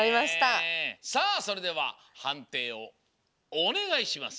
さあそれでははんていをおねがいします。